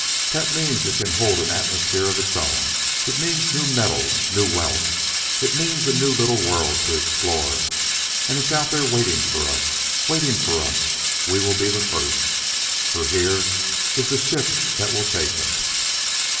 That means it can hold an atmosphere of its own. It means new metals, new wealth. It means a new little world to explore, and it's out there waiting for us. Waiting for us; we will be the first. For here is the ship that will take us.